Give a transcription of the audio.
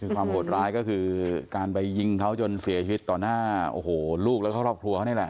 ความโหดร้ายก็คือการไปยิงเขาจนเสียชีวิตต่อหน้าลูกใครด้วยควร